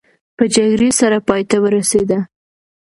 په جګړې سره پای ته ورسېده.